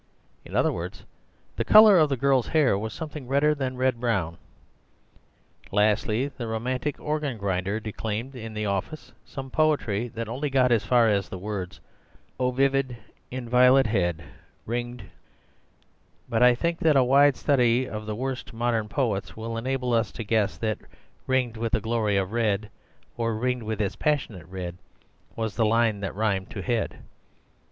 In other words, the colour of the girl's hair was something redder than red brown. Lastly, the romantic organ grinder declaimed in the office some poetry that only got as far as the words,— 'O vivid, inviolate head, Ringed—' But I think that a wide study of the worst modern poets will enable us to guess that 'ringed with a glory of red,' or 'ringed with its passionate red,' was the line that rhymed to 'head.